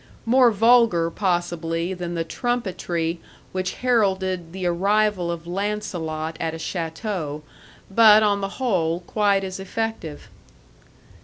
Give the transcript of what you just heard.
More vulgar possibly than the trumpetry which heralded the arrival of Lancelot at a château, but on the whole quite as effective.